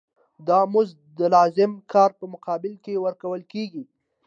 دا مزد د لازم کار په مقابل کې ورکول کېږي